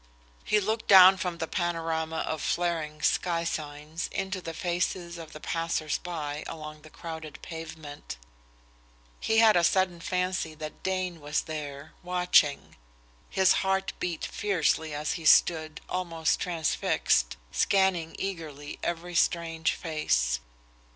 He looked down from the panorama of flaring sky signs into the faces of the passers by along the crowded pavement. He had a sudden fancy that Dane was there, watching. His heart beat fiercely as he stood, almost transfixed, scanning eagerly every strange face.